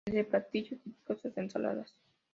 Desde platillos típicos hasta ensaladas.